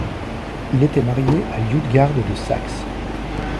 Il était marié à Liutgarde de Saxe.